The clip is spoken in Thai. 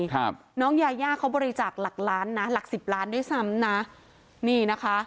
ครับน้องยาย่าเขาบริจาคหลักล้านนะหลักสิบล้านด้วยซ้ำนะนี่นะคะ